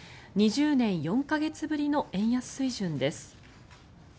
２０年４か月ぶりの円安水準です。